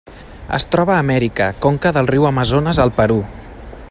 Es troba a Amèrica: conca del riu Amazones al Perú.